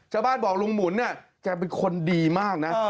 ชาวบ้านบอกลุงหมุนเนี่ยแกเป็นคนดีมากนะ